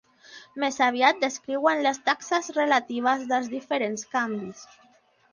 Més aviat descriuen les taxes relatives dels diferents canvis.